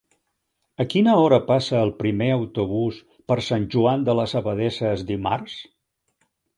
A quina hora passa el primer autobús per Sant Joan de les Abadesses dimarts?